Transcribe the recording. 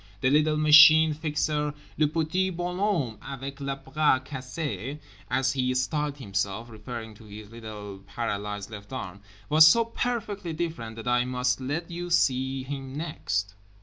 The little Machine Fixer (le petit bonhomme avec le bras cassé as he styled himself, referring to his little paralysed left arm) was so perfectly different that I must let you see him next.